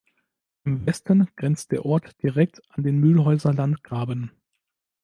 Im Westen grenzt der Ort direkt an den Mühlhäuser Landgraben.